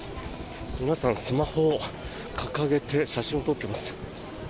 皆さん、スマホを掲げて写真を撮っています。